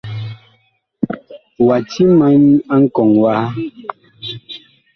Wa timan a nkɔŋ waha.